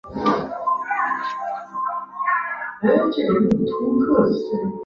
张达伦曾就读余振强纪念第二中学。